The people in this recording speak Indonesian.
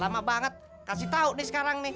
lama banget kasih tau nih sekarang nih